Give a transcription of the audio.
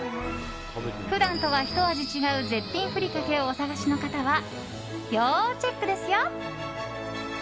普段とはひと味違う絶品ふりかけをお探しの方は要チェックですよ。